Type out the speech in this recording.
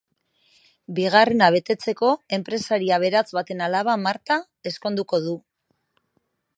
Bigarrena betetzeko enpresari aberats baten alaba, Marta, ezkonduko du.